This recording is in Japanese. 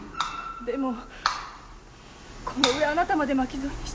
でもこの上あなたまで巻き添えにしては。